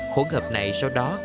khổng hợp này sau đó